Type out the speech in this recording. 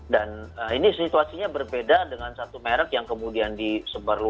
dan ini situasinya berbeda dengan satu merek yang kemudian disebarluas